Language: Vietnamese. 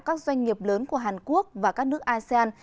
các doanh nghiệp lớn của hàn quốc và các nước asean